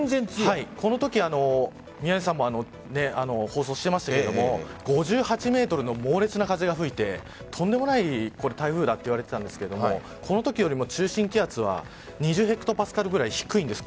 このとき、宮根さんも放送していましたが５８メートルの猛烈な風が吹いてとんでもない台風だといわれていたんですがこのときよりも中心気圧は２０ヘクトパスカルぐらい低いんです。